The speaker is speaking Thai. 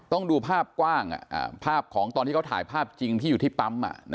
ต้องดูภาพกว้างภาพของตอนที่เขาถ่ายภาพจริงที่อยู่ที่ปั๊ม